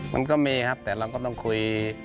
มันก็มีครับแต่เราก็ต้องคุย